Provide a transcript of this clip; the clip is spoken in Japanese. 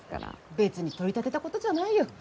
別に取り立てたことじゃないよ。